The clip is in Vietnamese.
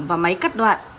và máy cắt đoạn